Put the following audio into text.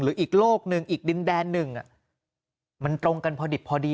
อีกโลกหนึ่งอีกดินแดนหนึ่งมันตรงกันพอดิบพอดี